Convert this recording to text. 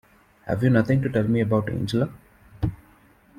Have you nothing to tell me about Angela?